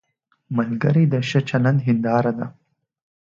ملګری د ښه چلند هنداره ده